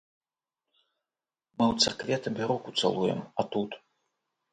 Мы ў царкве табе руку цалуем, а тут?!.